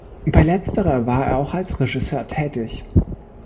Bei letzterer war er auch als Regisseur tätig.